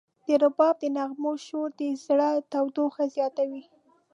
د رباب د نغمو شور د زړه تودوخه زیاتوي.